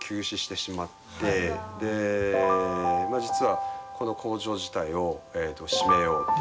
実はこの工場自体を閉めようっていう。